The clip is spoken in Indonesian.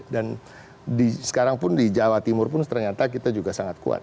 dan sekarang pun di jawa timur pun ternyata kita juga sangat kuat